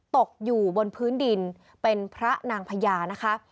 ตกอยู่บนพื้นดินเป็นพระนางพญานะคะ